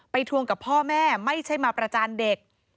ทวงกับพ่อแม่ไม่ใช่มาประจานเด็ก